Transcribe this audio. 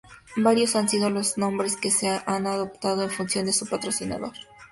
Varios han sido los nombres que se ha adoptado en función de su patrocinador.